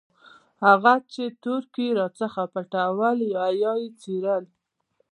هغه چې تورکي راڅخه پټول او يا يې څيرل.